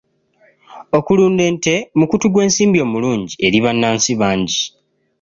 Okulunda ente mukutu gw'ensimbi omulungi eri bannansi bangi.